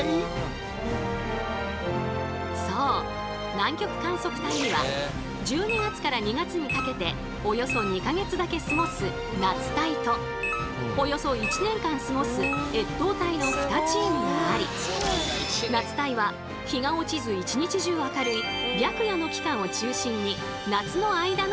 南極観測隊には１２月から２月にかけておよそ２か月だけ過ごす夏隊とおよそ１年間過ごす越冬隊の２チームがあり夏隊は日が落ちず一日中明るい白夜の期間を中心に夏の間のみ滞在。